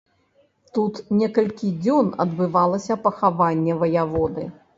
Тут некалькі дзён адбывалася пахаванне ваяводы.